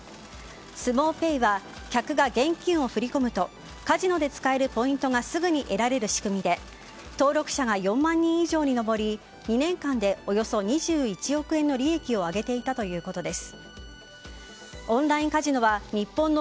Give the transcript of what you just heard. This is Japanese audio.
スモウペイは客が現金を振り込むとカジノで使えるポイントがすぐに得られる仕組みで登録者が４万人以上に上り２年間でおよそ２１億円の利益を上げていたということです。